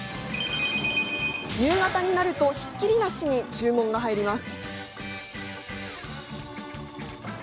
夕方になると、ひっきりなしに注文が入ります。